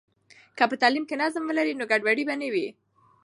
که په تعلیم کې نظم ولري، نو ګډوډي به نه وي.